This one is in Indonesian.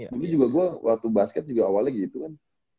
dulu juga gue waktu basket juga awalnya gitu kan